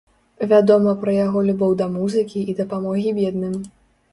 Вядома пра яго любоў да музыкі і дапамогі бедным.